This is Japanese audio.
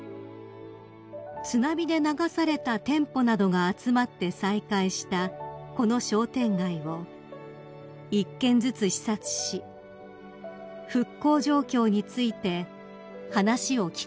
［津波で流された店舗などが集まって再開したこの商店街を１軒ずつ視察し復興状況について話を聞かれました］